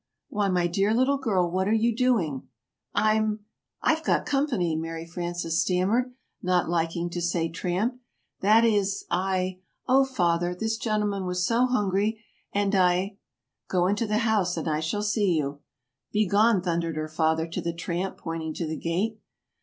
Why, my dear little girl, what are you doing?" "I'm I've got company," Mary Frances stammered, not liking to say tramp. "That is I oh, Father, this gentleman was so hungry and I " "Go into the house and I shall see you." "Be gone!" thundered her father to the tramp, pointing to the gate.